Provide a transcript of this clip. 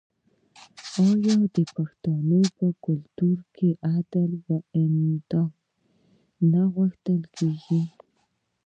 آیا د پښتنو په کلتور کې د عدل او انصاف غوښتنه نه کیږي؟